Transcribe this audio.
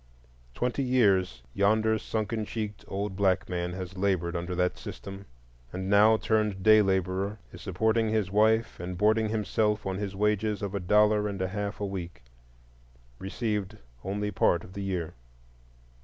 Twenty years yonder sunken cheeked, old black man has labored under that system, and now, turned day laborer, is supporting his wife and boarding himself on his wages of a dollar and a half a week, received only part of the year.